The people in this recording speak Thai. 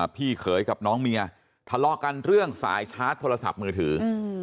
พี่เขยกับน้องเมียทะเลาะกันเรื่องสายชาร์จโทรศัพท์มือถือ